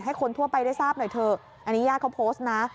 คนทั่วไปได้ทราบหน่อยเถอะอันนี้ญาติเขาโพสต์นะ